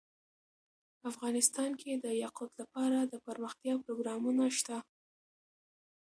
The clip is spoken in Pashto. افغانستان کې د یاقوت لپاره دپرمختیا پروګرامونه شته.